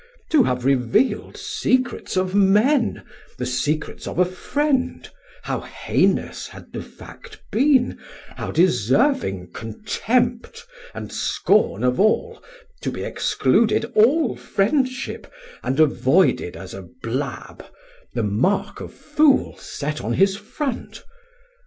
To have reveal'd Secrets of men, the secrets of a friend, How hainous had the fact been, how deserving Contempt, and scorn of all, to be excluded All friendship, and avoided as a blab, The mark of fool set on his front?